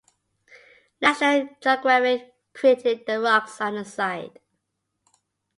"National Geographic" critiqued the rocks at the site.